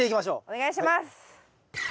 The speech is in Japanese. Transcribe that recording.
お願いします！